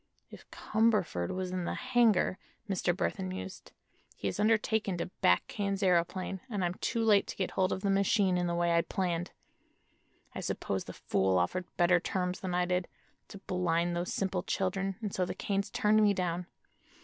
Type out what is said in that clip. "If Cumberford was in the hangar," Mr. Burthon mused, "he has undertaken to back Kane's aëroplane, and I'm too late to get hold of the machine in the way I planned. I suppose the fool offered better terms than I did, to blind those simple children, and so the Kanes turned me down.